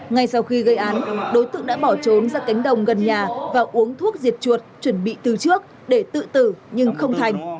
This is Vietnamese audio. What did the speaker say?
ngay sau khi gây án đối tượng đã bỏ trốn ra cánh đồng gần nhà và uống thuốc diệt chuột chuẩn bị từ trước để tự tử nhưng không thành